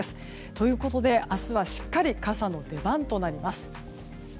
ということで、明日はしっかり傘の出番となります。